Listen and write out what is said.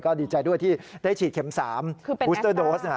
ดีใจด้วยที่ได้ฉีดเข็ม๓บูสเตอร์โดส